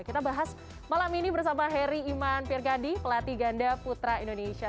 kita bahas malam ini bersama heri iman pirkadi pelatih ganda putra indonesia